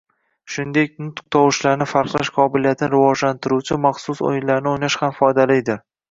Shuningdek nutq tovushlarini farqlash qobiliyatini rivojlantiruvchi maxsus o‘yinlarni o‘ynash ham foydalidir.